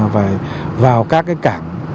phải vào các cảng